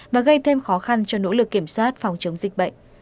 và gây thêm khó khăn cho nỗ lực kiểm soát phòng chống dịch bệnh